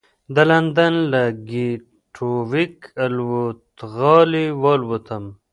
د لندن له ګېټوېک الوتغالي والوتم.